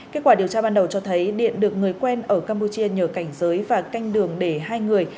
kết quả điều tra ban đầu cho thấy điện được người quen ở campuchia nhờ cảnh giới và canh đường để hai người